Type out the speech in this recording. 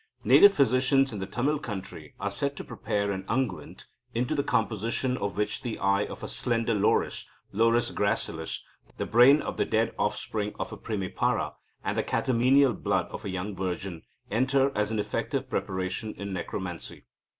Native physicians in the Tamil country are said to prepare an unguent, into the composition of which the eye of the slender Loris (Loris gracilis), the brain of the dead offspring of a primipara, and the catamenial blood of a young virgin, enter, as an effective preparation in necromancy.